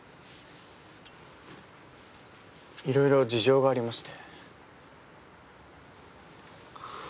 いろいろ事情がありまして。